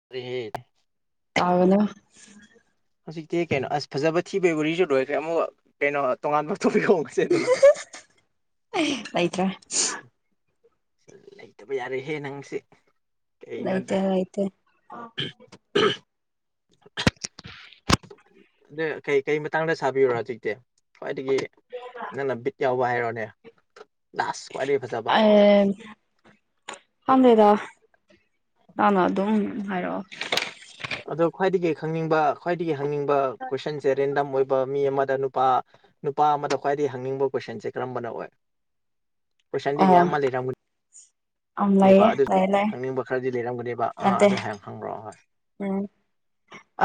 [unintelligible] ꯇꯥꯒꯅ ꯍꯧꯖꯤꯛꯇꯤ ꯀꯩꯅꯣ ꯑꯁ ꯐꯖꯕ ꯊꯤꯕꯒꯤ ꯎꯔꯤꯁꯨ ꯂꯣꯏꯈ꯭ꯔꯦ ꯑꯃꯨꯛ ꯀꯩꯅꯣ ꯇꯣꯉꯥꯟꯕ ꯇꯣꯄꯤꯛ ꯍꯣꯡꯉꯁꯦꯗꯅ [unintelligible] ꯂꯩꯇ꯭ꯔꯦ ꯂꯩꯇꯕ ꯌꯥꯔꯦꯍꯦ ꯅꯪꯁꯦ ꯀꯩꯅꯣꯗ ꯂꯩꯇꯦ ꯂꯩꯇꯦ [unintelligible] ꯑ ꯀꯩ ꯀꯩ ꯃꯇꯥꯡꯗ ꯁꯥꯕꯤꯌꯨꯔꯣ ꯍꯧꯖꯤꯛꯇꯤ ꯈ꯭ꯋꯥꯏꯗꯒꯤ ꯅꯪꯅ ꯕꯤꯠ ꯌꯥꯎꯕ ꯍꯥꯏꯔꯣꯅꯦ ꯂꯥꯁ ꯈ꯭ꯋꯥꯏꯗꯒꯤ ꯐꯖꯕ [unintelligible] ꯈꯪꯗꯦꯗ ꯅꯪꯅ ꯑꯗꯨꯝ ꯍꯥꯏꯔꯛꯑꯣ ꯑꯗꯣ ꯈ꯭ꯋꯥꯏꯗꯒꯤ ꯈꯪꯅꯤꯡꯕ ꯈ꯭ꯋꯥꯏꯗꯒꯤ ꯍꯪꯅꯤꯡꯕ ꯀꯣꯏꯁꯟꯁꯦ ꯔꯦꯟꯗꯝ ꯑꯣꯏꯕ ꯃꯤ ꯑꯃꯗ ꯅꯨꯄꯥ ꯅꯨꯄꯥ ꯑꯃꯗ ꯈ꯭ꯋꯥꯏꯗꯒꯤ ꯍꯪꯅꯤꯡꯕ ꯀꯣꯏꯁꯟꯁꯦ ꯀꯔꯝꯕꯅ ꯑꯣꯏ ꯀꯣꯏꯁꯟꯗꯤ ꯑꯣ ꯃꯌꯥꯝ ꯑꯃ ꯂꯩꯔꯝꯒꯅꯤ ꯑꯝ ꯅꯦꯕ ꯂꯩꯌꯦ ꯑꯗꯨ ꯂꯩ ꯂꯩ ꯍꯪꯅꯤꯡꯕ ꯈꯔꯗꯤ ꯂꯩꯔꯝꯒꯅꯦꯕ ꯑ ꯅꯠꯇꯦ ꯑꯗꯨ ꯍꯥꯏꯌꯦꯡ ꯈꯪꯕ꯭ꯔꯣ ꯍꯣꯏ ꯎꯝ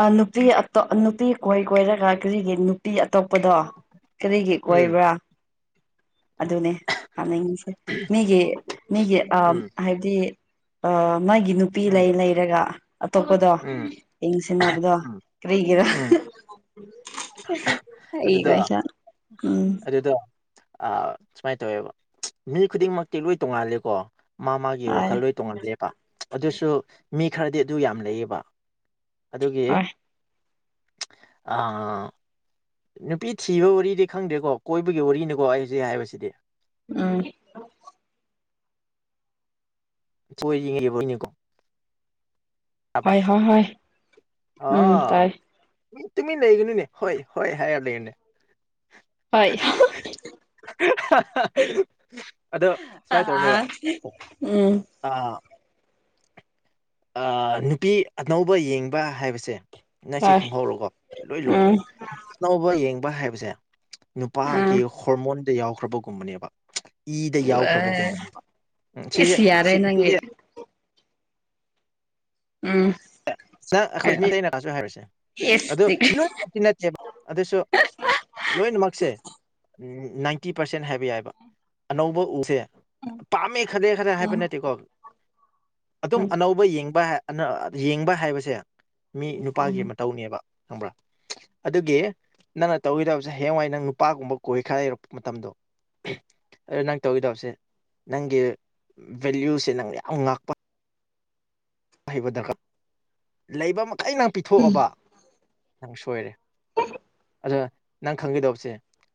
ꯑ ꯅꯨꯄꯤ ꯑꯇꫭ ꯅꯨꯄꯤ ꯀꯣꯏ ꯀꯣꯏꯔꯒ ꯀꯔꯤꯒꯤ ꯅꯨꯄꯤ ꯑꯇꯣꯞꯄꯗꯣ ꯀꯔꯤꯒꯤ ꯎꯝ ꯑꯣꯏꯕ꯭ꯔꯥ ꯑꯗꯨꯅꯦ ꯍꯥꯅꯤꯡꯉꯤꯁꯦ ꯃꯤꯒꯤ ꯃꯤꯒꯤ ꯑ ꯎꯝ ꯍꯥꯏꯕꯗꯤ ꯑ ꯃꯥꯒꯤ ꯅꯨꯄꯤ ꯎꯝ ꯂꯩ ꯂꯩ ꯔꯒ ꯑꯇꯣꯞꯄꯗꯣ ꯎꯝ ꯌꯦꯡꯁꯤꯟꯅꯕꯗꯣ ꯎꯝ ꯀꯔꯤꯒꯤꯔ ꯎꯝ ꯑꯗꯨꯗ [unintelligible] ꯑꯗꯨꯗꯣ ꯁꯨꯃꯥꯏꯅ ꯇꯧꯋꯦꯕ ꯃꯤ ꯈꯨꯗꯤꯡꯃꯛꯇꯤ ꯂꯣꯏ ꯇꯣꯡꯉꯥꯂꯦꯀꯣ ꯃꯥ ꯃꯥꯒꯤ ꯍꯣꯏ ꯋꯥꯈꯜ ꯂꯣꯏ ꯇꯣꯡꯉꯜꯂꯦꯕ ꯑꯗꯨꯁꯨ ꯃꯤ ꯈꯔꯗꯤ ꯑꯗꯨ ꯌꯥꯝ ꯂꯩꯌꯦꯕ ꯑꯗꯨꯒꯤ ꯍꯣꯏ ꯑꯥ ꯅꯨꯄꯤ ꯊꯤꯕ ꯋꯥꯔꯤꯗꯤ ꯈꯪꯗ꯭ꯔꯦꯀꯣ ꯀꯣꯏꯕꯒꯤ ꯋꯥꯔꯤꯅꯤꯀꯣ ꯑꯩ ꯍꯧꯖꯤꯛ ꯍꯥꯏꯕꯁꯤꯗꯤ ꯎꯝ [unintelligible] ꯍꯥꯥꯕ꯭ꯔꯥ ꯍꯣꯏ ꯍꯣꯏ ꯍꯣꯏ ꯎꯝ ꯇꯥꯏ ꯑꯣ ꯇꯨꯃꯤ ꯂꯩꯒꯅꯨꯅꯦ ꯍꯣꯏ ꯍꯣꯏ ꯍꯥꯏꯔ ꯂꯩ ꯌꯣꯅꯦ꯫ ꯍꯣꯏ [unintelligible] ꯑꯗꯣ ꯁꯨꯃꯥꯏꯅ ꯇꯧꯅꯦꯕ ꯎꯝ ꯑ ꯅꯨꯄꯤ ꯑꯅꯧꯕ ꯌꯦꯡꯕ ꯍꯥꯏꯕꯁꯦ ꯅꯪꯁꯤ ꯇꯥꯏ ꯈꯪꯍꯧꯔꯣꯀꯣ ꯂꯣꯏ ꯂꯣꯗ ꯎꯝ ꯑꯅꯧꯕ ꯌꯦꯡꯕ ꯍꯥꯏꯕꯁꯦ ꯅꯨꯄꯥꯒꯤ ꯎꯝ ꯍꯣꯔꯃꯣꯟꯗ ꯌꯥꯎꯈ꯭ꯔꯕꯒꯨꯝꯕꯅꯦꯕ꯫ ꯏꯗ ꯌꯥꯎꯈ꯭ꯔꯕꯒꯨꯝꯕꯅꯦꯕ ꯎ ꯁꯤꯁꯦ ꯏꯁ ꯌꯥꯔꯦ ꯁꯤ ꯅꯪꯒꯤ ꯁꯤꯁꯦ ꯎꯝ ꯍꯥꯏꯔꯛꯑꯣ [unintelligible] ꯑꯗꯨ ꯏꯁꯇꯤ [unintelligible] ꯑꯗꯨꯁꯨ ꯂꯣꯏꯅꯃꯛꯁꯦ ꯅꯥꯏꯟꯇꯤ ꯄꯥꯔꯁꯦꯟ ꯍꯥꯏꯕ ꯌꯥꯏꯕ ꯑꯅꯧꯕ ꯎꯁꯦ ꯄꯥꯝꯃꯦ ꯈꯥꯠꯂꯦ ꯈꯔ ꯍꯥꯏꯕ ꯅꯠꯇꯦꯀꯣ ꯑꯗꯨꯝ ꯎꯝ ꯑꯅꯧꯕ ꯌꯦꯡꯕ ꯌꯦꯡꯕ ꯍꯥꯏꯕꯁꯦ ꯃꯤ ꯅꯨꯄꯥꯒꯤ ꯑꯃ ꯇꯧꯅꯦꯕ ꯈꯪꯕ꯭ꯔꯥ ꯑꯗꯨꯒꯤ ꯅꯪꯅ ꯇꯧꯒꯤꯗꯕꯁꯦ ꯍꯌꯦꯡꯋꯥꯏ ꯅꯪ ꯅꯨꯄꯥꯒꯨꯝꯕ ꯀꯣꯏꯈꯥꯏꯔꯛꯄ ꯃꯇꯝꯗꯣ ꯑꯣ ꯅꯪ ꯇꯧꯒꯦꯗꯕꯁꯦ ꯅꯪꯒꯤ ꯚꯦꯂ꯭ꯌꯨꯁꯦ ꯅꯪꯅ ꯌꯥꯝ ꯉꯥꯛꯄ ꯍꯩꯕꯗꯒ ꯂꯩꯕ ꯃꯈꯩ ꯅꯍꯥꯛ ꯄꯤꯊꯣꯛꯑꯕ ꯅꯪ ꯁꯣꯏꯔꯦ ꯑꯗꯣ ꯅꯪ ꯈꯪꯒꯗꯧꯕꯁꯦ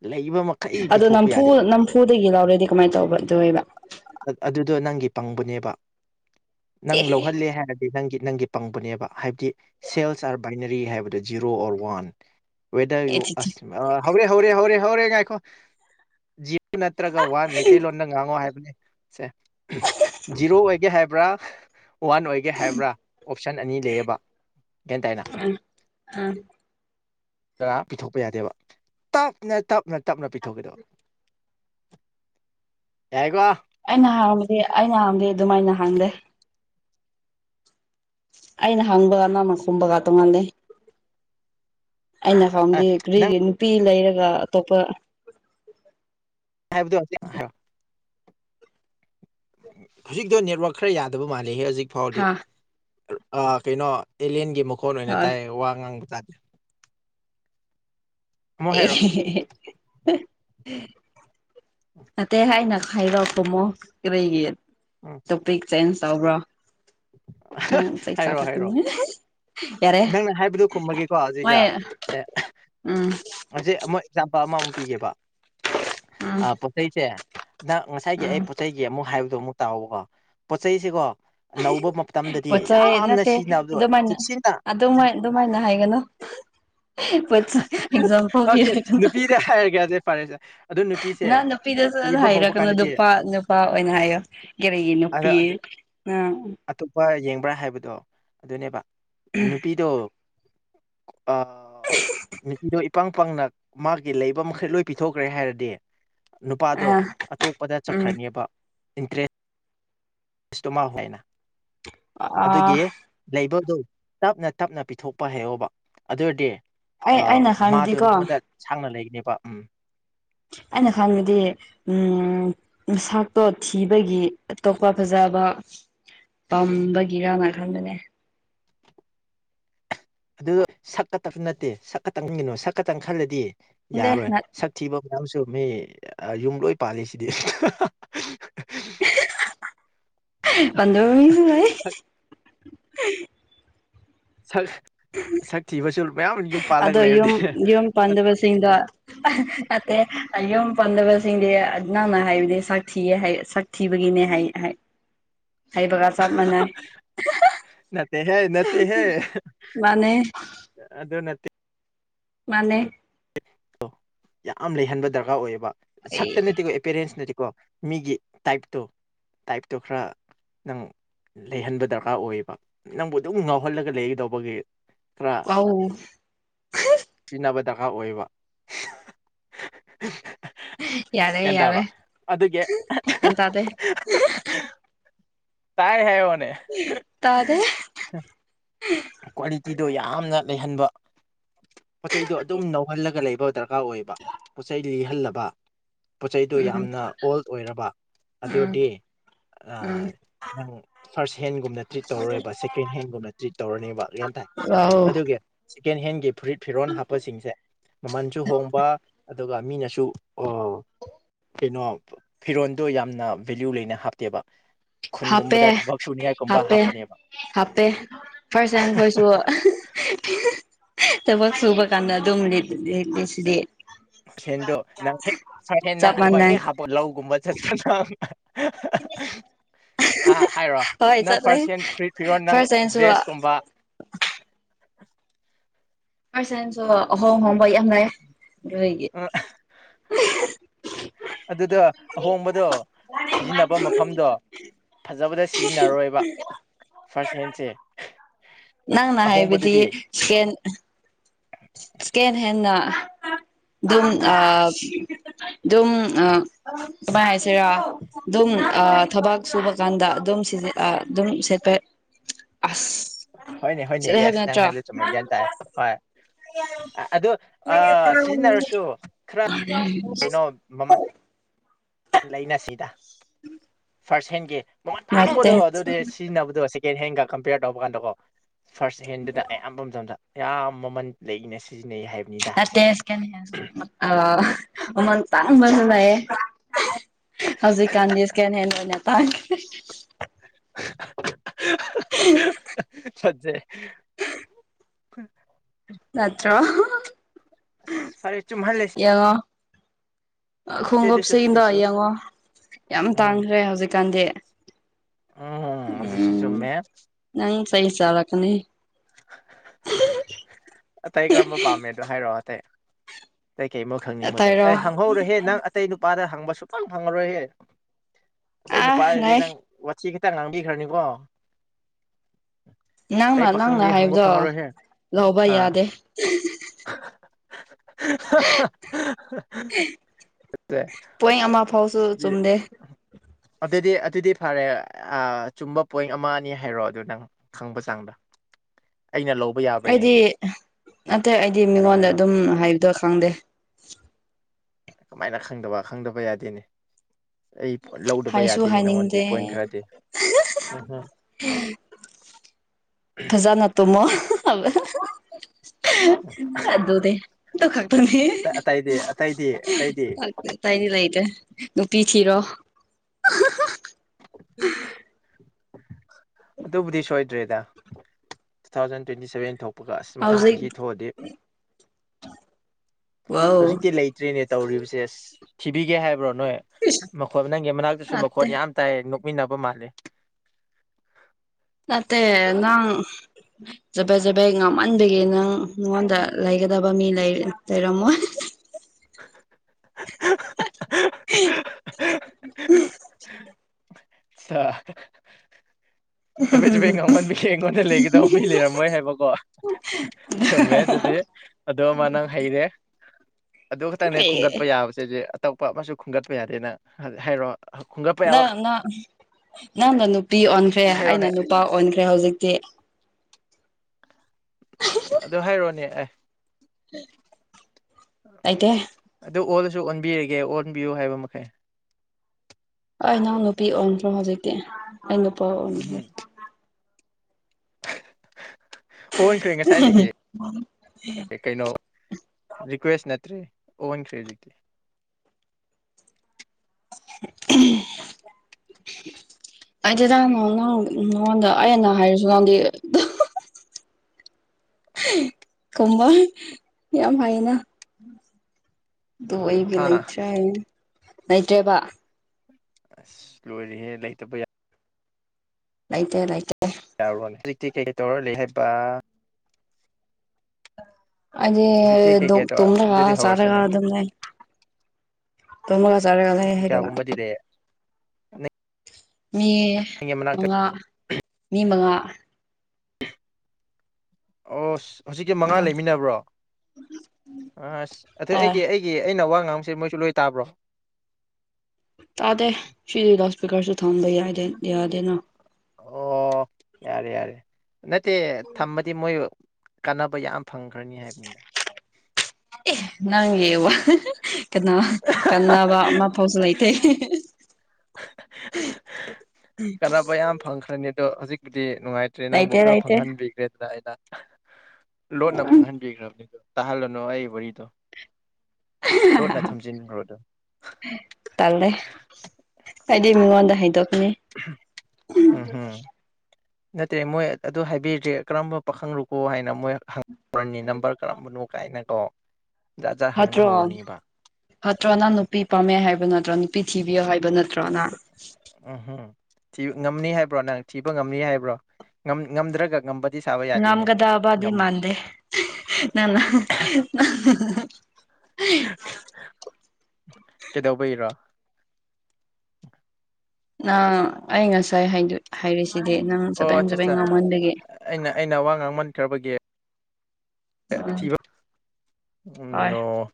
ꯂꯩꯕ ꯃꯈꯩ ꯑꯗꯣ ꯄꯤꯊꯣꯛꯄ ꯅꯝꯐꯨ ꯌꯥꯗꯦꯕ ꯅꯝꯐꯨꯗꯒꯤ ꯂꯧꯔꯦꯗꯤ ꯀꯃꯥꯏ ꯇꯧꯕ ꯑꯗꯨ ꯑꯣꯏꯕ ꯑꯗꯨꯗꯣ ꯅꯪꯒꯤ ꯄꯪꯕꯅꯦꯕ ꯅꯪ ꯂꯧꯍꯜꯂꯦ ꯍꯥꯏꯔꯗꯤ ꯅꯪꯒꯤ ꯅꯪꯒꯤ ꯄꯪꯕꯅꯦꯕ ꯍꯥꯏꯕꯗꯤ ꯁꯦꯜꯁ ꯑꯥꯔ ꯕꯥꯏꯅꯔꯤ ꯍꯥꯏꯕꯗꯣ zero or one whether U ꯑꯁ ꯑ ꯍꯧꯔꯦ ꯍꯧꯔꯦ ꯍꯧꯔꯦ ꯍꯧꯔꯦ ꯉꯥꯏꯈꯣ ꯇ ꯅꯠꯇ꯭ꯔꯒ ꯋꯥꯟ ꯃꯩꯇꯩꯂꯣꯟꯗ ꯉꯥꯡꯉꯣ ꯍꯥꯏꯕꯅꯤ ꯁꯦ ꯖꯤꯔꯣ ꯑꯣꯏꯒꯦ ꯍꯥꯏꯕ꯭ꯔꯥ ꯋꯥꯟ ꯑꯣꯏ ꯍꯥꯏꯕ꯭ꯔꯥ ꯑꯣꯞꯁꯟ ꯑꯅꯤ ꯂꯩꯌꯦꯕ ꯒ꯭ꯌꯥꯟꯇꯥꯏꯅ ꯎꯝ [unintelligible] ꯄꯤꯊꯣꯛꯄ ꯌꯥꯗꯦꯕ ꯇꯞꯅ- ꯇꯞꯅ- ꯇꯞꯅ ꯄꯤꯊꯣꯛꯀꯗꯕ꯫ ꯌꯥꯏꯒꯣ ꯑꯩꯅ ꯍꯥꯡꯕꯗꯤ ꯑꯩꯅ ꯍꯥꯡꯗꯤ ꯑꯗꯨꯃꯥꯏꯅ ꯍꯥꯡꯗꯦ꯫ ꯑꯩꯅ ꯍꯪꯕꯒ ꯅꯪꯅ ꯈꯨꯝꯕꯒ ꯇꯣꯉꯥꯜꯂꯤ꯫ ꯑꯩꯅ ꯍꯪꯕꯗꯤꯗꯤ ꯅꯪ ꯀꯔꯤꯒꯤ ꯅꯨꯄꯤ ꯂꯩꯔꯒ ꯑꯇꯣꯞꯄ [unintelligible] ꯍꯧꯖꯤꯛꯇꯗꯣ ꯅꯦꯠꯋꯥꯛ ꯈꯔ ꯌꯥꯗꯕ ꯃꯥꯜꯂꯤꯍꯦ ꯍꯧꯖꯤꯛ ꯐꯥꯎꯗꯤ꯫ ꯍꯥ ꯑ ꯀꯩꯅꯣ ꯑꯦꯂꯦꯟꯒꯤ ꯃꯈꯣꯟ ꯑꯣꯏꯅ ꯍꯣꯏ ꯇꯥꯏ ꯋꯥ ꯉꯥꯡꯕ ꯇꯥꯗꯦ꯫ ꯑꯃꯨꯛ ꯍꯥꯏꯔꯣ ꯑꯦ ꯅꯇꯦ ꯍꯥꯏꯅ ꯍꯥꯏꯔꯛꯄꯃꯣ ꯀꯔꯤꯒꯤ ꯎꯝ ꯇꯣꯄꯤꯛ ꯆꯦꯟꯖ ꯇꯧꯕ꯭ꯔꯣ? ꯅꯪ ꯆꯩ ꯍꯥꯏꯔꯛꯑꯣ ꯆꯠꯛꯀꯅꯤ ꯍꯥꯏꯔꯛꯑꯣ ꯌꯥꯔꯦ ꯅꯪꯅ ꯍꯥꯏꯕꯗꯨ ꯈꯨꯝꯃꯒꯦꯀꯣ ꯍꯧꯖꯤꯛꯁꯦ ꯃꯥꯏ ꯎꯝ ꯍꯧꯛ ꯑꯃ ꯑꯦꯛꯖꯥꯝꯄꯜ ꯑꯃꯃꯨꯛ ꯄꯤꯒꯦꯕ ꯎꯝ ꯄꯣꯠꯆꯩꯁꯦ ꯅꯪ ꯉꯁꯥꯏꯒꯤ ꯎꯝ ꯑꯩ ꯄꯣꯠ ꯆꯩꯒꯤ ꯑꯃꯨꯛ ꯍꯥꯏꯕꯗꯣ ꯑꯃꯨꯛ ꯇꯥꯎꯕꯀꯣ ꯄꯣꯠꯆꯩꯁꯤꯒꯣꯅꯧꯕ ꯃꯇꯝꯗꯗꯤ ꯄꯣꯠꯆꯩ ꯌꯥꯝꯅ ꯅꯠꯇꯦ ꯁꯤꯖꯤꯟꯅꯕꯗꯣ ꯑꯗꯨꯃꯥꯏꯅ ꯆꯦꯛꯁꯤꯟꯅ ꯑꯗꯨꯃꯥꯏ ꯑꯗꯨꯃꯥꯏꯅ ꯍꯥꯏꯒꯅꯨ ꯑꯦꯛꯖꯥꯝꯄꯜ ꯑꯣꯀꯦ ꯄꯤꯔꯒꯅꯨ ꯅꯨꯄꯤꯗꯤ ꯍꯥꯏꯔꯒꯦ ꯑꯗꯨꯗꯤ ꯐꯔꯦꯁꯦ ꯑꯗꯨ ꯅꯨꯄꯤꯁꯦ ꯅꯪ ꯅꯨꯄꯤꯗꯁꯨ ꯏꯕ ꯍꯧꯕ ꯍꯥꯏꯔꯒꯅꯨ ꯀꯥꯟꯗꯗꯤ ꯅꯨꯄꯥ ꯅꯨꯄꯥ ꯑꯣꯏꯅ ꯍꯥꯏꯌꯣ ꯀꯔꯤꯒꯤ ꯑꯗ ꯅꯨꯄꯤ ꯎ ꯑꯇꯣꯞꯄ ꯌꯦꯡꯕ꯭ꯔꯥ ꯍꯥꯏꯕꯗꯣ ꯑꯗꯨꯅꯦꯕ ꯅꯨꯄꯤꯗꯣ ꯑ ꯅꯨꯄꯤꯗꯣ ꯏꯄꯪ ꯄꯪꯅ ꯃꯥꯒꯤ ꯂꯩꯕ ꯃꯈꯩ ꯂꯣꯏ ꯄꯤꯊꯣꯛꯈ꯭ꯔꯦ ꯍꯥꯏꯔꯗꯤ ꯅꯨꯄꯥꯗꯣ ꯑꯇꯣꯞꯄꯗ ꯎꯝ ꯆꯠꯈ꯭ꯔꯅꯦꯕ ꯏꯟꯇꯔꯦꯁ ꯏꯁꯇꯣꯃꯥꯜ ꯍꯥꯏꯅ ꯑꯗꯨꯒꯤ ꯑꯥ ꯂꯩꯕꯗꯣ ꯇꯞꯅ- ꯇꯞꯅ ꯄꯤꯊꯣꯛꯄ ꯍꯥꯏꯌꯣꯕ ꯑꯗꯨꯔꯗꯤ ꯑ ꯑꯩ ꯑꯩꯅ ꯃꯥꯗꯣ ꯈꯟꯕꯗꯤꯀꯣ ꯅꯉꯣꯟꯗ ꯁꯥꯡꯅ ꯂꯩꯒꯅꯦꯕ ꯎꯝ꯫ ꯑꯩꯅ ꯈꯪꯕꯗꯤ ꯎ ꯃꯁꯇꯣ ꯊꯤꯕꯒꯤ ꯑꯇꯣꯞꯄ ꯐꯖꯕ ꯄꯥꯝꯕꯒꯤꯔꯅ ꯈꯪꯕꯅꯦ ꯑꯗꯨꯗꯣ ꯁꯛꯀ ꯇꯞꯁꯨ ꯅꯠꯇꯦ ꯁꯛꯀꯛꯇꯪ ꯈꯟꯒꯤꯅꯣ ꯁꯛꯀꯛꯇꯪ ꯈꯜꯂꯗꯤ ꯈꯪꯗꯦ ꯌꯥꯔꯣꯏ ꯁꯛ ꯊꯤꯕ ꯃꯌꯥꯝꯁꯨ ꯃꯤ ꯌꯨꯝ ꯂꯣꯏ ꯄꯥꯜꯂꯤꯁꯤꯗꯤ ꯄꯟꯗꯔ ꯃꯤꯁꯨꯂꯥꯏ ꯁꯛ ꯁꯛ ꯁꯛ ꯊꯤꯕꯁꯨ ꯃꯌꯥꯝ ꯌꯨꯝ ꯄꯥꯜꯂꯒ ꯑꯗꯣ ꯂꯩꯕꯗꯤ ꯌꯨꯝ ꯌꯨꯝ ꯄꯥꯟꯗꯕꯁꯤꯡꯗ ꯑ ꯅꯠꯇꯦ ꯌꯨꯝ ꯄꯥꯟꯗꯕꯁꯤꯡꯗꯤ ꯅꯪꯅꯥ ꯍꯥꯏꯕꯗꯤ ꯁꯛ ꯊꯤꯌꯦ ꯍꯥꯏ ꯁꯛ ꯊꯤꯕꯒꯤꯅꯦ ꯍꯥꯏ ꯍꯥꯏ [inaudible] ꯍꯩꯕꯒ ꯆꯞ ꯃꯥꯟꯅꯩ ꯅꯠꯇꯦ ꯍꯦ ꯅꯠꯇꯦ ꯍꯦ ꯃꯥꯅꯦ ꯑꯗꯨ ꯅꯠꯇꯦ ꯃꯥꯅꯦ ꯌꯥꯝ ꯂꯩꯍꯟꯕ ꯗꯔꯀꯥꯔ ꯑꯣꯏꯌꯦꯕ ꯑꯩ ꯁꯛꯇ ꯅꯠꯇꯦꯀꯣ ꯄꯦꯔꯦꯟꯁꯅꯗꯤꯀꯣ ꯃꯤꯒꯤ ꯇꯥꯏꯞꯇꯣ ꯇꯥꯏꯞꯇꯣ ꯈꯔ ꯅꯪ ꯂꯩꯍꯟꯕ ꯗꯔꯀꯥꯔ ꯑꯣꯏꯌꯦꯕ ꯅꯪꯕꯨ ꯑꯗꯨꯝ ꯉꯥꯎꯍꯜꯂꯒ ꯂꯩꯒꯗꯧꯕꯒꯤ ꯈꯔ ꯋꯥꯎ ꯁꯤꯤꯅꯕ ꯗꯔꯀꯥꯔ ꯑꯣꯏꯕ ꯌꯥꯔꯦ ꯒ꯭ꯌꯥꯟ ꯌꯥꯔꯦ ꯇꯥꯕ꯭ꯔꯥ ꯑꯗꯨꯒꯤ ꯑꯦꯟ ꯇꯗꯦ ꯇꯥꯏ ꯍꯥꯏꯦ ꯃꯅꯦ ꯇꯔꯦ ꯀ꯭ꯋꯥꯂꯤꯇꯤꯗꯣ ꯌꯥꯝꯅ ꯂꯩꯍꯟꯕ ꯄꯣꯠ ꯆꯩꯗꯣ ꯑꯗꯨꯝ ꯅꯧꯍꯜꯂꯒ ꯂꯩꯕ ꯗꯔꯀꯥꯔ ꯗꯔꯀꯥꯔ ꯑꯣꯏꯕ ꯄꯣꯠ ꯆꯩ ꯂꯤꯍꯜꯂꯕ ꯄꯣꯠ ꯆꯩꯩꯗꯨ ꯎꯝ ꯌꯥꯝꯅ ꯑꯣꯜ ꯑꯣꯏꯔꯕ ꯎꯝ ꯑꯗꯨꯔꯗꯤ ꯎꯝ ꯅꯪ ꯐꯥꯔꯁ ꯍꯦꯟꯒꯨꯝꯅ ꯇ꯭ꯔꯤꯠ ꯇꯧꯔꯔꯣꯏꯕ ꯁꯦꯀꯦꯟ ꯍꯦꯟꯒꯨꯝꯕꯅ ꯇ꯭ꯔꯤꯠ ꯅꯦꯕ ꯒ꯭ꯌꯥꯟ ꯇꯥꯏ ꯋꯥꯎ ꯑꯗꯨꯒꯤ ꯁꯦꯀꯦꯟ ꯍꯦꯟꯒꯤ ꯐꯨꯔꯤꯠ ꯐꯤꯔꯣꯟꯜ ꯍꯥꯞꯄꯁꯤꯡꯁꯦ ꯃꯃꯟꯁꯨ ꯍꯣꯡꯕ ꯑꯗꯨꯒ ꯃꯤꯅꯁꯨ ꯑ ꯀꯩꯅꯣ ꯐꯤꯔꯣꯟꯜꯗꯣ ꯌꯥꯝꯅ ꯚꯦꯂꯨ ꯂꯩꯅ ꯍꯥꯞꯇꯦꯕ ꯍꯥꯞꯄꯦ ꯈꯨꯟꯒꯨꯝꯕꯗ ꯊꯕꯛ ꯁꯨꯅꯤꯉꯥꯏꯒꯨꯝꯕ ꯍꯥꯞꯄꯦ ꯍꯥꯞꯄꯅꯦꯕ ꯍꯥꯞꯄꯦ ꯐꯥꯔꯁ ꯇꯥꯏꯟꯈꯣꯏꯁꯨ ꯇꯕ ꯁꯨꯕ ꯀꯥꯟꯅ ꯑꯗꯨꯝ ꯂꯩꯁꯤꯗꯤ ꯁꯦꯟꯗꯣ ꯅꯪ ꯍꯦꯛ ꯆꯞ ꯍꯦꯟꯅꯪ ꯃꯥꯟꯅꯩ ꯍꯦꯛ ꯍꯥꯞꯄꯣ ꯂꯧꯒꯨꯝꯕ ꯆꯠꯇꯅ [inaudible] ꯑꯥ ꯍꯥꯏꯔꯣ ꯍꯣꯏ ꯅꯪ ꯆꯠꯂꯦ ꯐꯥꯔꯁꯦꯟ ꯐꯨꯔꯤ ꯐꯤꯔꯣ ꯅꯪ ꯐꯥꯔꯁ ꯍꯦꯟꯁꯨ ꯗ꯭ꯔꯦꯁꯀꯨꯝꯕ ꯑꯁꯟꯁꯨ ꯑꯍꯣꯡ ꯑꯍꯣꯡꯕ ꯌꯥꯝ ꯂꯩꯑ ꯑꯗꯨ ꯑ ꯑꯗꯨꯗ ꯑꯍꯣꯡꯕꯗꯣ ꯁꯤꯖꯤꯟꯅꯕ ꯃꯐꯝꯗꯣ ꯐꯖꯕꯗ ꯁꯤꯖꯤꯟꯅꯔꯣꯏꯕ ꯐꯥꯔꯁ ꯍꯦꯟꯁꯦ ꯅꯪꯅ ꯍꯥꯏꯕꯗꯤ ꯑꯍꯣꯡꯕꯗꯨꯗꯤ ꯆꯀꯦꯟ ꯏꯁꯀꯦꯟ ꯍꯦꯟꯅ ꯑꯗꯨꯝ ꯑꯗꯨꯝ ꯀꯃꯥꯏꯅ ꯍꯥꯏꯁꯤꯔꯥ ꯑꯗꯨꯝ ꯊꯕꯥꯛ ꯁꯨꯕ ꯀꯥꯟꯗ ꯑꯗꯨꯝ ꯑꯗꯨꯝ ꯁꯠꯄ ꯑꯁ ꯍꯣꯏꯅꯦ ꯍꯣꯏꯅꯦ ꯆꯠꯂꯦ ꯍꯥꯏꯕ ꯌꯦꯁ ꯅꯪ ꯅꯠꯇ꯭ꯔꯣ ꯍꯥꯏꯕꯗꯨ ꯆꯨꯝꯃꯦ ꯒ꯭ꯌꯥꯟ ꯇꯥꯏꯦ ꯍꯣꯏ ꯑꯗꯨ ꯁꯤꯖꯤꯟꯅꯔꯁꯨ ꯈꯔ ꯀꯩꯅꯣ ꯃꯃꯜ ꯂꯩꯅꯁꯤꯗ ꯐꯥꯔꯁ ꯍꯦꯟꯒꯤ ꯃꯃꯜ ꯅꯠꯇꯦ ꯇꯥꯡꯕꯗꯣ ꯑꯗꯨꯗꯤ ꯁꯤꯖꯤꯟꯅꯕꯗꯣ ꯁꯦꯀꯦꯟ ꯍꯦꯟꯒ ꯀꯝꯄꯦꯌꯔ ꯇꯧꯕ ꯀꯥꯟꯗꯀꯣ ꯐꯥꯔꯁ ꯍꯦꯟꯗꯨꯗ ꯑꯌꯥꯝꯕ ꯃꯇꯝꯗ ꯌꯥꯝꯌꯥꯝ ꯃꯃꯟ ꯂꯩꯅ ꯁꯤꯖꯤꯟꯅꯩ ꯍꯥꯏꯕ ꯑ ꯇꯁ ꯀꯅꯦ ꯑ ꯇꯥꯡꯕꯁꯨ ꯂꯩꯌꯦ ꯍꯧꯖꯤꯛꯀꯥꯟꯗꯤ ꯁꯦꯀꯦꯟ ꯍꯦꯟ ꯑꯣꯏꯅ ꯇꯥꯡꯉꯦ ꯁꯖꯦ ꯎ ꯅꯠꯇ ꯐꯔꯦ ꯆꯨꯝꯃꯜꯂꯦꯁ ꯌꯥꯉ ꯑꯗꯨꯁꯨ ꯈꯣꯡꯎꯞꯁꯤꯗꯣ ꯑꯗꯨꯁꯨ ꯌꯦꯡꯉꯣ ꯌꯥꯝ ꯎꯝ ꯇꯥꯡꯈ꯭ꯔꯦ ꯍꯧꯖꯤꯛꯀꯥꯟꯗꯤ ꯎꯝ ꯑꯗꯨꯁꯨ ꯎꯝ ꯆꯨꯝꯃꯦ ꯅ ꯁꯩ ꯆꯂ ꯀꯅꯤ ꯑꯇꯩ ꯀꯔꯝꯕ ꯄꯥꯝꯃꯦꯗꯣ ꯍꯥꯏꯔꯛꯑꯣ ꯑꯇꯩ ꯑꯇꯩ ꯀꯩꯃꯣ ꯈꯪꯅꯤꯡꯕꯂꯦ ꯇꯥꯏꯔꯣ ꯑꯦ ꯍꯪꯍꯧꯔꯨꯍꯦ ꯅꯪ ꯑꯇꯩ ꯅꯨꯄꯥꯗ ꯍꯪꯕ ꯁꯨꯐꯪ ꯐꯪꯉꯔꯣꯏꯍꯦ ꯑꯇꯩ ꯑ ꯅꯨꯄꯥꯗꯗꯤ ꯂꯩ ꯅꯪ ꯋꯥꯤ ꯈꯤꯇ ꯉꯥꯡꯕꯤꯈ꯭ꯔꯅꯤꯀꯣ ꯑꯇꯩ ꯅꯪꯅ ꯅꯪꯅ ꯄꯥꯈꯪꯗꯤ ꯍꯪꯕ ꯍꯥꯏꯕꯗꯣ ꯐꯪꯉꯔꯣꯏꯍꯦ ꯂꯧꯕ ꯑꯥ ꯌꯥꯗꯦ [inaudible] ꯄꯣꯏ ꯑꯃ ꯐꯥꯎꯁꯨ ꯆꯨꯝꯗꯦ ꯑꯗꯨꯗꯤ ꯑꯗꯨꯗꯤ ꯐꯔꯦ ꯆꯨꯝꯕ ꯄꯣꯏꯟ ꯑꯃ ꯑꯅꯤ ꯍꯥꯏꯔꯛꯑꯣ ꯑꯗꯨ ꯅꯪ ꯈꯪꯕ ꯆꯥꯡꯗ ꯑꯩꯅ ꯂꯧꯕ ꯌꯥꯕ꯭ꯔꯥ ꯌꯦꯡꯒꯦ ꯅꯇꯩ ꯑꯩꯗꯤ ꯍꯥꯏꯔꯣ ꯃꯤꯉꯣꯟꯗ ꯍꯥꯏꯔꯣ ꯑꯗꯨꯝ ꯍꯥꯏꯕꯗꯣ ꯈꯪꯗꯦ ꯀꯃꯥꯏꯅ ꯈꯪꯗꯕ ꯈꯪꯗꯕ ꯌꯥꯗꯦꯅꯦ ꯑꯩ ꯂꯧꯗꯕ ꯍꯥꯏꯁꯨ ꯌꯥꯗꯦꯅꯤ ꯅꯪꯉꯣꯟꯗꯤ ꯍꯥꯏꯅꯤꯡꯗꯦ ꯄꯣꯏꯟ ꯈꯔꯗꯤ ꯎꯝ ꯎꯝ ꯐꯖꯅꯠꯇꯣꯃ ꯑꯗꯨ ꯑꯗꯨꯗ ꯇꯣ ꯈꯥꯛꯗꯅꯤ ꯑꯇꯩꯗꯤ ꯑꯇꯩꯗꯤ ꯑꯇꯩꯗꯤ ꯇꯥꯏꯅꯤ ꯂꯩꯗ ꯅꯨꯄꯤ ꯊꯤꯔꯣ ꯑꯗꯨꯕꯨꯗꯤ ꯁꯣꯏꯗ꯭ꯔꯦꯗ ꯇꯨ ꯊꯥꯎꯖꯟ ꯇ꯭ꯋꯦꯟꯇꯤ ꯁꯚꯦꯟ ꯊꯣꯛ ꯑꯗꯨꯒ ꯑꯁ ꯃꯊꯪ ꯍꯧꯖꯤꯛ ꯆꯍꯤ ꯊꯣꯛꯑꯗꯤ ꯋꯥꯎ ꯍꯧꯖꯤꯛꯇꯤ ꯂꯩꯇ꯭ꯔꯤꯅꯦ ꯇꯧꯔꯤꯕꯁꯦ ꯑꯁ ꯊꯤꯕꯤꯒꯦ ꯍꯥꯏꯕ꯭ꯔꯣ ꯅꯣꯏ ꯃꯈꯣꯠ ꯅꯪꯒꯤ ꯃꯅꯥꯛꯇꯁꯨ ꯃꯈꯣꯠ ꯅꯠꯇꯦ ꯌꯥꯝ ꯇꯥꯏ ꯅꯣꯛꯃꯤꯟꯅꯕ ꯃꯥꯜꯂꯤꯦ ꯅꯠꯇꯦ ꯅꯪ ꯖꯕꯦ ꯖꯕꯦ ꯉꯝꯃꯟꯕꯒꯤ ꯅꯪ ꯅꯉꯣꯟꯗ ꯂꯩꯒꯗꯕ ꯃꯤ ꯂꯩ ꯂꯩꯔꯝꯃꯣꯏ ꯑꯆꯥ ꯆꯐꯦ ꯆꯐꯦꯠ ꯉꯥꯡꯃꯟꯕꯤꯁꯦ ꯑꯩꯉꯣꯟꯗ ꯂꯩꯒꯗꯕ ꯃꯤ ꯂꯩꯔꯝꯃꯣꯏ ꯍꯥꯏꯕꯀꯣ ꯆꯨꯝꯃꯦ ꯑꯗꯨꯗꯤ ꯑ ꯑꯃ ꯅꯪ ꯍꯩꯔꯦ ꯑꯗꯨ ꯈꯛꯇꯪꯅꯦ ꯑꯦ ꯈꯨꯝꯒꯠꯄ ꯌꯥꯕꯁꯦꯁ ꯑꯇꯣꯞꯄ ꯑꯃꯁꯨ ꯈꯨꯝꯒꯠꯄ ꯌꯥꯗꯦꯅ ꯍꯥꯏꯔꯣ ꯈꯨꯝꯒꯠꯄ ꯌꯥꯕ ꯅꯪ ꯅꯪꯅ ꯅꯨꯄꯤ ꯑꯣꯟꯈ꯭ꯔꯦ ꯑꯩꯅ ꯍꯥꯏꯔꯣꯅꯦ ꯅꯨꯄꯥ ꯑꯣꯟꯈ꯭ꯔꯦ ꯍꯧꯖꯤꯛꯇꯤ ꯑꯗꯨ ꯍꯥꯏꯔꯛꯑꯣꯅꯦ ꯑꯦ ꯎ ꯑꯗꯨ ꯑꯣꯜꯂꯁꯨ ꯑꯣꯟꯕꯤꯔꯒꯦ ꯑꯣꯟꯕꯤꯌꯨ ꯍꯥꯏꯕ ꯃꯈꯩ ꯑꯩ ꯑꯩꯅꯥꯎ ꯅꯨꯄꯤ ꯑꯣꯟꯈ꯭ꯔꯣ ꯍꯧꯖꯤꯛꯇꯤ ꯑꯩ ꯅꯨꯄꯥ ꯎꯝ ꯑꯣꯟꯈ꯭ꯔꯦ ꯑꯣꯟꯈ꯭ꯔꯦ ꯉꯁꯥꯏꯗꯒꯤ ꯀꯩꯅꯣ ꯔꯤꯀ꯭ꯋꯦꯁ ꯅꯠꯇ꯭ꯔꯦ ꯑꯣꯟ ꯀ꯭ꯔꯔꯤꯦꯖꯤꯗꯤ [unintelligible] [unintelligible] ꯑꯩꯗꯤꯗ ꯅ ꯅꯉꯣꯟꯗ ꯑꯟꯅ ꯍꯥꯏꯔꯁꯨ ꯅꯪꯗꯤ ꯀꯨꯝꯕ ꯌꯥꯝ ꯍꯥꯏꯌꯦꯅ ꯑꯗꯨꯣ ꯑꯩꯒꯤ ꯍꯥꯥ ꯂꯩꯇ꯭ꯔꯦ ꯂꯩꯇ꯭ꯔꯦꯕ ꯑꯁ ꯂꯣꯏꯔꯤꯍꯦ ꯂꯩꯇꯕ ꯌꯥ ꯂꯩꯇꯦ ꯂꯩꯇꯦ ꯌꯥꯔꯣꯅꯦ ꯍꯧꯖꯤꯛꯇꯤ ꯀꯩꯀꯩ ꯇꯧꯔ ꯂꯩ ꯍꯥꯏꯕ ꯍꯧꯖꯤꯛꯇꯤ ꯑꯗꯨꯗ ꯀꯩꯀꯩ ꯇꯧꯔ ꯇꯣꯃ꯭ꯔꯒ ꯑꯗꯨꯗꯤ ꯆꯔꯒ ꯍꯧꯔꯁꯤꯅꯦ ꯑꯗꯨꯣꯃ ꯇꯃꯒ ꯆꯠꯂꯒ ꯂꯩꯦ ꯍꯥꯏꯩꯗꯨꯒ ꯗꯦ ꯃꯤ ꯅꯪꯒꯤ ꯃꯅꯥꯛꯇ ꯃꯉꯥ ꯃꯤ ꯃꯉꯥ ꯑꯣꯁ ꯍꯧꯖꯤꯛꯀꯤ ꯃꯉꯥ ꯎꯝ ꯂꯩꯃꯤꯟꯅꯕ꯭ꯔꯣ ꯑꯁ ꯑꯇꯩ ꯍꯣꯏ ꯑꯩꯗꯤ ꯑꯩ ꯀꯤ ꯑꯩꯅ ꯋꯥ ꯉꯥꯡꯕꯁꯦ ꯃꯣꯏꯁꯨ ꯂꯣꯏ ꯇꯥꯕ꯭ꯔꯣ꯫ ꯇꯥꯗꯦ ꯁꯤꯗꯤ ꯂꯥꯁ ꯁ꯭ꯄꯤꯀꯔꯁꯨ ꯊꯝꯕ ꯌꯥꯏꯗꯦ ꯌꯥꯗꯦꯅ꯫ ꯑꯣ ꯌꯥꯔꯦ-ꯌꯥꯔꯦ ꯅꯠꯇꯦ ꯊꯝꯑꯗꯤ ꯃꯣꯏ ꯀꯥꯟꯅꯕ ꯌꯥꯝ ꯐꯪꯈ꯭ꯔꯅꯤ ꯍꯥꯏꯕꯅꯤꯅ꯫ ꯑꯦ ꯅꯪꯒꯤ ꯋꯥ ꯀꯟꯅꯣ ꯀꯥꯟꯅꯕ ꯑꯃꯐꯥꯎꯁꯨ ꯂꯩꯇꯦ꯫ ꯀꯥꯟꯅꯕ ꯌꯥꯝ ꯐꯪꯈ꯭ꯔꯅꯤ ꯑꯗꯣ ꯍꯧꯖꯤꯛꯄꯨꯗꯤ ꯅꯨꯡꯉꯥꯏꯇꯦ ꯇ꯭ꯔꯦꯅꯪꯕꯨ ꯂꯩꯇꯦ ꯈꯔ ꯂꯩꯇꯦ ꯐꯪꯍꯟꯕꯤꯈ꯭ꯔꯦꯗꯅ ꯑꯩꯅ ꯂꯣꯟꯅ ꯐꯪꯍꯟꯕꯤꯈ꯭ꯔꯕꯅꯤ ꯇꯍꯜ ꯂꯣꯅꯣ ꯑꯩ ꯋꯥꯔꯤꯗꯣ ꯂꯣꯠꯅ ꯊꯝꯖꯤꯟꯈ꯭ꯔꯣꯗꯣ ꯇꯜꯦ ꯍꯥꯏꯥꯏꯗꯤ ꯃꯤꯉꯣꯟꯗ ꯍꯩꯗꯅꯦ ꯎ ꯍꯝ ꯅꯠꯇ꯭ꯔꯦ ꯃꯣꯏ ꯑꯗꯨ ꯍꯥꯏꯕꯤꯗ꯭ꯔꯦ ꯀꯔꯝꯕ ꯄꯥꯈꯪꯂꯨꯀꯣ ꯍꯥꯏꯅ ꯃꯣꯏ ꯍꯪꯍꯔꯅꯤ ꯅꯝꯕꯔ ꯀꯔꯝꯕꯅꯣ ꯀꯥꯏꯅꯀꫭ ꯐꯥꯠꯇ꯭ꯔꯣ ꯐꯥꯠꯇ꯭ꯔꯣ ꯅꯪ ꯅꯨꯄꯤ ꯄꯥꯝꯃꯦ ꯍꯥꯏꯕ ꯅꯠꯇ꯭ꯔꯣ ꯅꯨꯄꯤ ꯊꯤꯕꯤꯌꯣ ꯍꯥꯏꯕ ꯅꯠꯇ꯭ꯔꯣ ꯅꯥ꯫ ꯎꯝꯍꯝ ꯊꯤ ꯉꯝꯅꯤ ꯍꯥꯏꯕ꯭ꯔꯣ ꯅꯪ ꯊꯤꯕ ꯉꯝꯅꯤ ꯍꯥꯏꯕ꯭ꯔꯣ ꯉꯝꯗ꯭ꯔꯒ ꯉꯝꯕ ꯉꯝꯒꯗꯕꯥꯗꯤ ꯃꯥꯥꯟꯗꯦ ꯅꯪꯅ ꯅꯪ [unintelligible] ꯀꯩꯗꯧꯕꯩꯔꯣ꯫ ꯅꯪ ꯑꯩ ꯉꯁꯥꯏ ꯍꯥꯏꯗꯨ ꯍꯥꯏꯔꯤꯁꯤꯗꯤ ꯅꯪ ꯑꯣ ꯑꯠꯆꯥ ꯆꯄꯦꯟ-ꯆꯄꯦꯟ ꯑꯠꯆꯥ ꯉꯥꯡꯃꯟꯕꯒꯤ꯫ ꯑꯩꯅ ꯑꯩꯅ ꯋꯥ ꯉꯥꯡꯃꯟꯈ꯭ꯔꯕꯒꯤ ꯎꯝ ꯊꯤꯕ ꯎꯝ ꯍꯣꯏ ꯅꫭ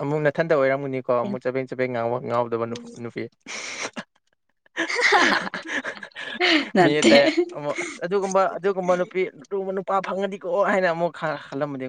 ꯑꯃꯨꯛ ꯅꯊꯟꯗ ꯑꯣꯏꯔꯝꯒꯅꯤ꯫ ꯀꯣ ꯑꯃꯨꯛ ꯆꯄꯦꯡ-ꯆꯄꯦꯡ ꯉꯥꯎꯕ ꯉꯥꯡꯗꯕ ꯅꯨꯄꯤ꯫ [unintelligible] ꯃꯤ ꯅꯠꯇꯦ꯫ ꯑꯇꯩ ꯑꯃꯨꯛ ꯑꯁ ꯑꯗꯨꯒꯨꯝꯕ ꯑꯗꯨꯒꯨꯝꯕ ꯅꯨꯄꯤ ꯑꯗꯨꯒꯨꯝꯕ ꯅꯨꯄꯥ ꯐꯪꯑꯗꯤꯀꯣ ꯍꯥꯏꯅ ꯑꯃꯨꯛ ꯈꯜꯂꯝꯃꯗꯤ꯫